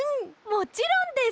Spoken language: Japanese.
もちろんです！